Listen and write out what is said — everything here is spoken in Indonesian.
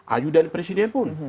ajudan presiden pun